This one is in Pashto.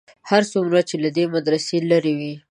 هر څومره چې له دې مدرسې لرې وې.